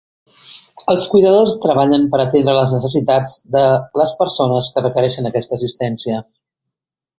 Els cuidadors treballen per a atendre les necessitats de les persones que requereixen aquesta assistència.